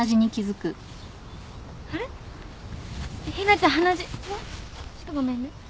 ちょっとごめんね。